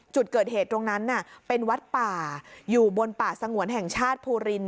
จุดเกิดเหตุตรงนั้นน่ะเป็นวัดป่าอยู่บนป่าสงวนแห่งชาติภูริน